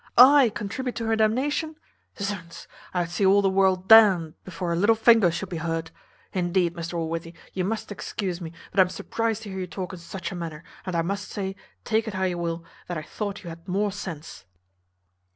I contribute to her damnation! Zounds! I'd zee all the world d n'd bevore her little vinger should be hurt. Indeed, Mr Allworthy, you must excuse me, but I am surprized to hear you talk in zuch a manner, and I must say, take it how you will, that I thought you had more sense."